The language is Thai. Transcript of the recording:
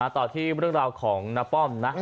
ต่อที่เรื่องราวของน้าป้อมนะ